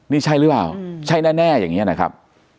นี่ใช่หรือเปล่าใช่แน่อย่างนี้นะครับ